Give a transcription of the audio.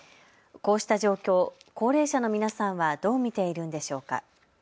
こうした状況、高齢者の皆さんはどう見ているんでしょうか。